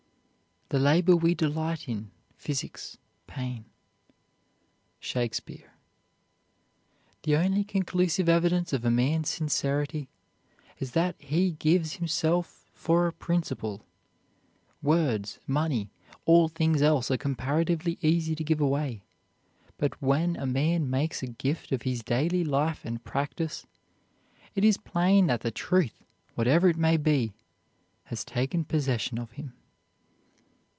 The labor we delight in physics pain. SHAKESPEARE. The only conclusive evidence of a man's sincerity is that he gives himself for a principle. Words, money, all things else are comparatively easy to give away; but when a man makes a gift of his daily life and practise, it is plain that the truth, whatever it may be, has taken possession of him.